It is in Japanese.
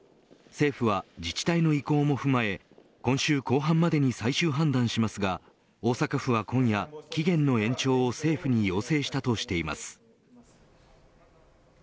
政府は自治体の意向も踏まえ今週後半までに最終判断しますが大阪府は今夜期限の延長を政府に要請したとしています。